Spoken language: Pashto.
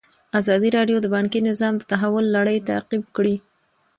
ازادي راډیو د بانکي نظام د تحول لړۍ تعقیب کړې.